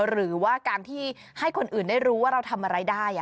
หรือว่าการที่ให้คนอื่นได้รู้ว่าเราทำอะไรได้